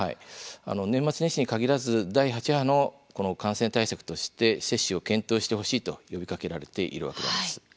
年末年始に限らず第８波のこの感染対策として接種を検討してほしいと呼びかけられているわけなんです。